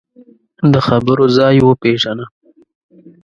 د خبرو ځای وپېژنه